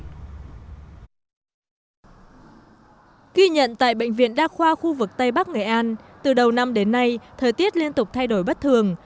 ghi nhận tại bệnh viện đa khoa khu vực tây bắc nghệ an từ đầu năm đến nay thời tiết liên tục thay đổi bất thường